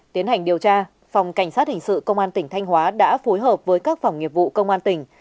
tiến hành điều tra phòng cảnh sát hình sự công an tỉnh thanh hóa đã phối hợp với các phòng nghiệp vụ công an tỉnh